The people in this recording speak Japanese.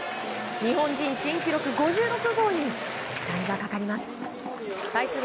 日本人新記録５６号に期待がかかります。